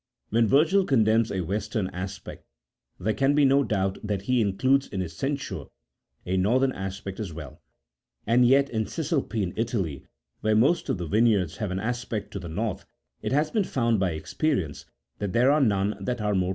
When Virgil condemns a western aspect, there can be no doubt that he includes in his censure a northern aspect as well : and yet, in Cisalpine Italy, where most of the vineyards have an aspect to the north, it has been found by experience that there are none that are more prolific.